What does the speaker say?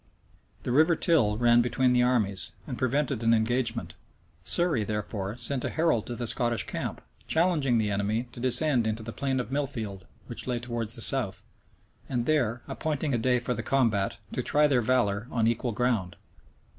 The River Till ran between the armies, and prevented an engagement: Surrey therefore sent a herald to the Scottish camp, challenging the enemy to descend into the plain of Milfield, which lay towards the south; and there, appointing a day for the combat, to try their valor on equal ground.